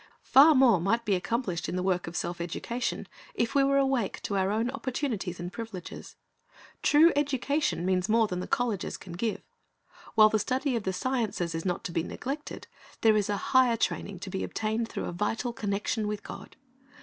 Far more might be accomplished in the work of self education if we were awake to our own opportunities and privileges. True education means more than the colleges can give. While the study of the sciences is not to be neglected, there is a higher training to be obtained through a vital connection with God.